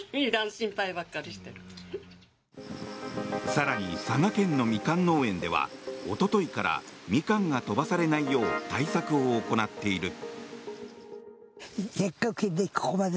更に、佐賀県のミカン農園ではおとといからミカンが飛ばされないよう対策を行っている。